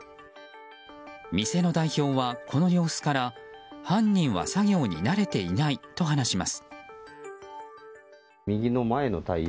店の代表は、この様子から犯人は作業に慣れていないと話します。